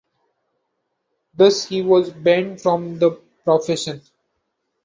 Thus he was banned from the profession.